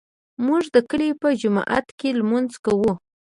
موږ د کلي په جومات کې لمونځ کوو